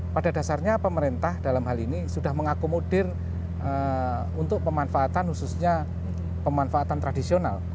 pada dasarnya pemerintah dalam hal ini sudah mengakomodir untuk pemanfaatan khususnya pemanfaatan tradisional